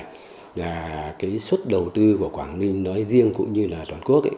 là cái suất đầu tư của quảng ninh nói riêng cũng như là toàn quốc ấy